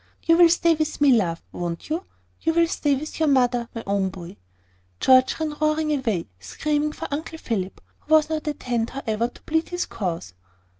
You will stay with me, love, won't you? You will stay with your mother, my own boy." George ran roaring away, screaming for Uncle Philip; who was not at hand, however, to plead his cause.